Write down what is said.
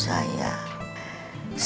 saya mau bercerita perjalanan hidup saya